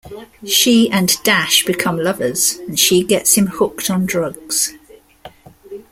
She and Dash become lovers, and she gets him hooked on drugs.